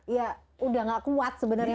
ya udah gak kuat sebenarnya